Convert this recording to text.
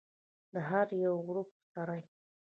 د هر یو غړپ سره یې